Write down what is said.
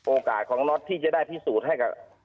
โอกาสของน็อตที่จะได้พิสูจน์ให้